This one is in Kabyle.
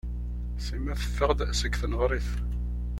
Sima teffeɣ-d seg tneɣrit.